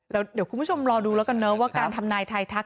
แล้วเดี๋ยวคุณผู้ชมรอดูแล้วกันเนอะว่าการทำนายไทยทัก